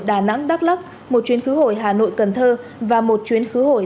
đà nẵng cần thơ một chuyến khứ hội